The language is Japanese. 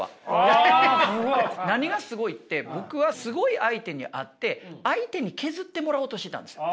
何がすごいって僕はすごい相手に会って相手に削ってもらおうとしてたんです。